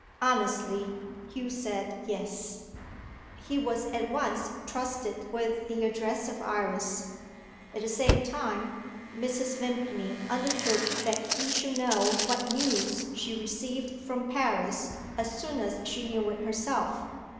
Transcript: Honestly, Hugh said Yes. He was at once trusted with the address of Iris. At the same time, Mrs. Vimpany undertook that he should know what news she received from Paris as soon as she knew it herself.